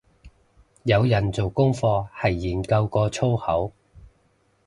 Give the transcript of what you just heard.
有人做功課係研究過粗口